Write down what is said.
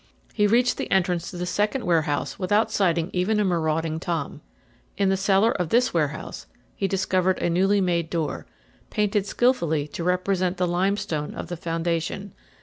He reached the entrance to the second warehouse without sighting even a marauding tom. In the cellar of this warehouse he discovered a newly made door, painted skillfully to represent the limestone of the foundation.